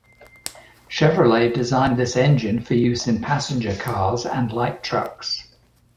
Chevrolet designed this engine for use in passenger cars and light trucks.